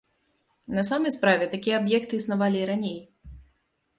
На самай справе, такія аб'екты існавалі і раней.